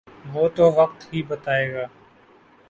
وہ تو وقت ہی بتائے گا۔